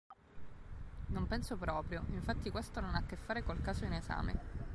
Non penso proprio: infatti questo non ha a che fare col caso in esame.